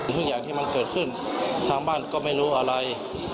ทุกอย่างที่มันเกิดขึ้นทางบ้านก็ไม่รู้อะไร